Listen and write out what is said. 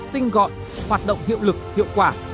tinh gọn hoạt động hiệu lực hiệu quả